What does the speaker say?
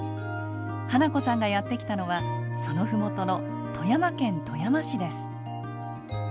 花子さんがやって来たのはその麓の富山県富山市です。